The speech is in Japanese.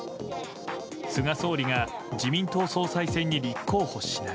菅総理が自民党総裁選に立候補しない。